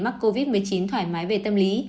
mắc covid một mươi chín thoải mái về tâm lý